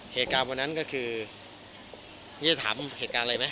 เหตุการณ์วันนั้นก็คือนี่จะถามเหตุการณ์อะไรไหม